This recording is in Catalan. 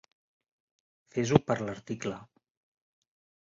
Fes-ho per l'article.